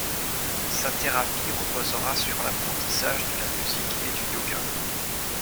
Sa thérapie reposera sur l’apprentissage de la musique et du yoga.